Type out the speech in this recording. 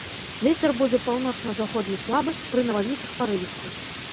Вецер будзе паўночна-заходні слабы, пры навальніцах парывісты.